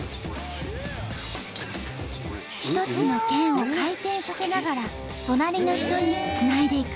一つのけんを回転させながら隣の人につないでいく。